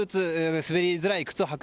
滑りづらい靴を履く